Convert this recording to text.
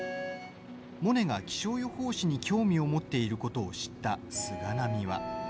モネが気象予報士に興味を持っていることを知った菅波は。